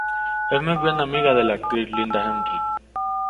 Es muy buena amiga de la actriz Linda Henry.